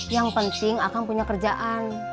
yang penting akan punya kerjaan